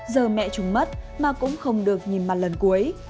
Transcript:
giờ mẹ chúng mất mà cũng không được nhìn mặt lần cuối